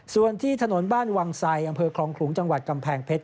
ส่วนที่ถนนบ้านวังไสอำเภอคลองขลุงจังหวัดกำแพงเพชร